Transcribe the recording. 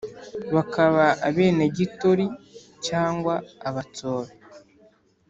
Bakaba abenegitori cyangwa abatsobe